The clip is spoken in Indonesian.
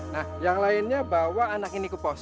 nah yang lainnya bawa anak ini ke pos